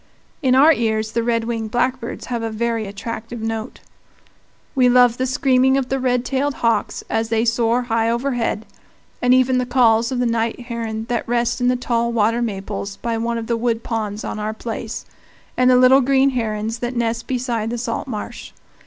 In our ears the red winged blackbirds have a very attractive note. We love the screaming of the red tailed hawks as they soar high overhead, and even the calls of the night heron that nest in the tall water maples by one of the wood ponds on our place, and the little green herons that nest beside the salt marsh.